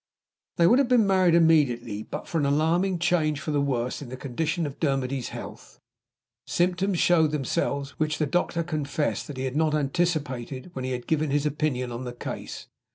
They would have been married immediately but for an alarming change for the worse in the condition of Dermody's health. Symptoms showed themselves, which the doctor confessed that he had not anticipated when he had given his opinion on the case.